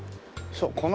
そう。